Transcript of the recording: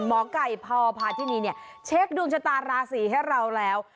หมอไก่พอพาที่นี่เนี่ยเช็คดวงชะตาราศีให้เราแล้ว